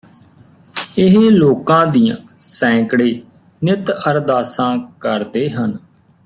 ਇਹ ਲੋਕਾਂ ਦੀਆਂ ਸੈਂਕੜੇ ਨਿੱਤ ਅਰਦਾਸਾਂ ਕਰਦੇ ਹਨ